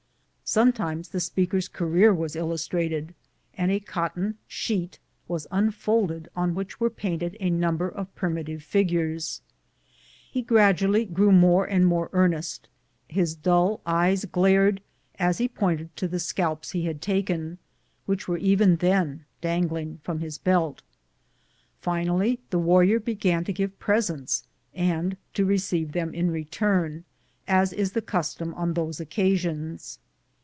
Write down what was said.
Sometimes the speaker's career was illus trated, and a cotton sheet was unfolded on which were painted a number of primitive figures. He gradually grew more and more earnest ; his dull eyes glared as he A "STRONG HEART" DANCE! 135 pointed to the scalps he had talvcn, which were even then dangling from his belt. Finally the warrior began to give presents, and to receive them in return, as is the custom on those occasions.